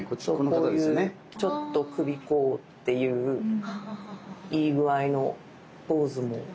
こういうちょっと首こうっていういい具合のポーズも。